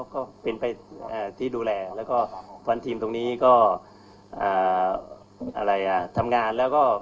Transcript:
ก็เป็นไปที่ดูแลแล้วก็ฟันทีมตรงนี้ก็ทำงานแล้วก็